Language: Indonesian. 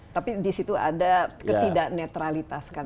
tapi di situ ada ketidaknetralitas kan